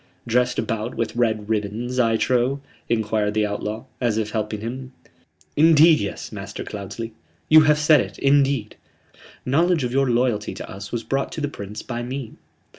"Dressed about with red ribbons, I trow?" enquired the outlaw, as if helping him. "Indeed yes, Master Cloudesley. You have said it, indeed. Knowledge of your loyalty to us was brought to the Prince by me.